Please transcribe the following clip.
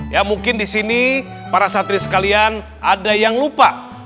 ya mungkin disini para satri sekalian ada yang lupa